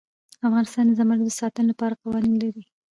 افغانستان د زمرد د ساتنې لپاره قوانین لري.